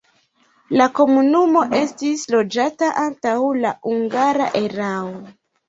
La komunumo estis loĝata antaŭ la hungara erao.